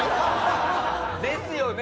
ですよね？